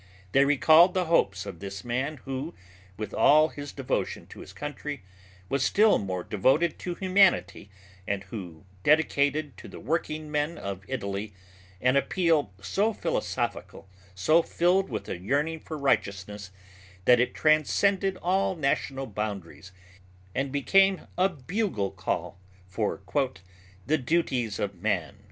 They recalled the hopes of this man who, with all his devotion to his country was still more devoted to humanity and who dedicated to the workingmen of Italy, an appeal so philosophical, so filled with a yearning for righteousness, that it transcended all national boundaries and became a bugle call for "The Duties of Man."